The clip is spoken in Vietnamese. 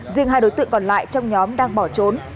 riêng hai đối tượng còn lại trong nhóm đang bỏ trốn